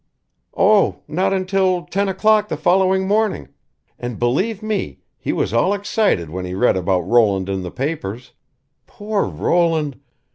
"Oh! not until ten o'clock the following morning. And believe me, he was all excited when he read about Roland in the papers. Poor Roland!